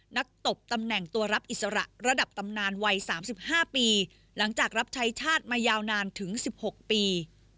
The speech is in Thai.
ตบตำแหน่งตัวรับอิสระระดับตำนานวัย๓๕ปีหลังจากรับใช้ชาติมายาวนานถึง๑๖ปี